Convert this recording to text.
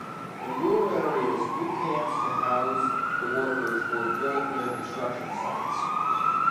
In rural areas, new camps to house the workers were built near construction sites.